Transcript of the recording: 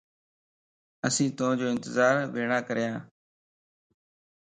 اسين تو جو انتظار ٻيھڻا ڪريان